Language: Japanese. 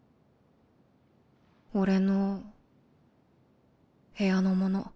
俺の部屋のもの